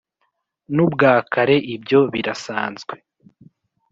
n'ubwa kare ibyo birasanzwe :